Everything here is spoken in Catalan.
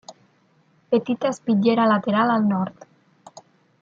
Petita espitllera lateral al nord.